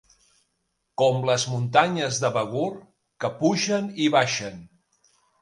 Com les muntanyes de Begur, que pugen i baixen.